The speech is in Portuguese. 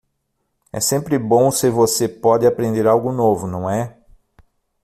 É sempre bom se você pode aprender algo novo, não é?